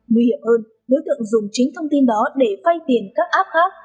nguy hiểm hơn đối tượng dùng chính thông tin đó để phay tiền các app khác